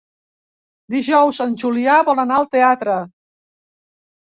Dijous en Julià vol anar al teatre.